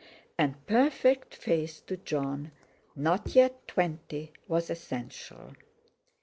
And perfect faith, to Jon, not yet twenty, was essential.